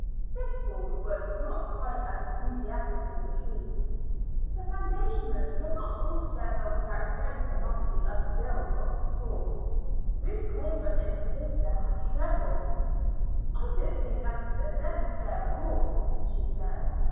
This rule was not quite as enthusiastically received. The foundationers were not altogether without friends amongst the other girls of the school. Ruth Craven in particular had several. "I don't think that is a very fair rule," she said.